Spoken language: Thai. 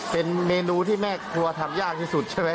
เป็นเมนูที่แม่ครัวทำยากที่สุดใช่ไหม